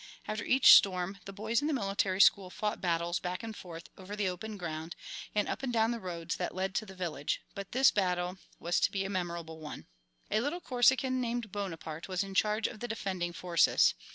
After each storm the boys in the military school fought battles back and forth over the open ground, and up and down the roads that led to the village; but this battle was to be a memorable one. A little Corsican named Bonaparte was in charge of the defending forces.